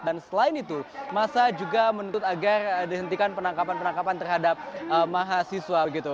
dan selain itu masa juga menuntut agar dihentikan penangkapan penangkapan terhadap mahasiswa